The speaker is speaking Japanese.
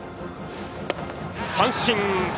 三振！